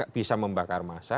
bisa membakar massa